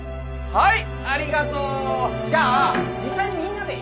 はい！